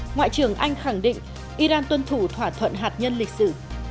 ngoại trưởng anh khẳng định iran tuân thủ thỏa thuận hạt nhân lịch sử